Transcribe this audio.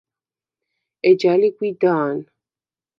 ეჯა ლი გვიდა̄ნ.